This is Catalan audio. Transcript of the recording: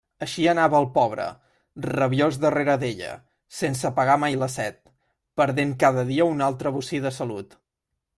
Així anava el pobre, rabiós darrere d'ella, sense apagar mai la set, perdent cada dia un altre bocí de salut.